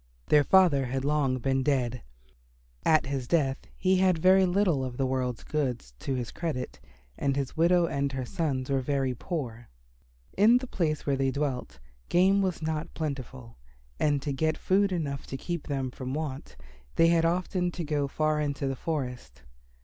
Their father had long been dead. At his death he had little of the world's goods to his credit and his widow and her sons were very poor. In the place where they dwelt, game was not plentiful, and to get food enough to keep them from want they had often to go far into the forest.